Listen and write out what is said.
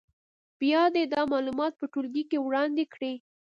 بیا دې دا معلومات په ټولګي کې وړاندې کړي.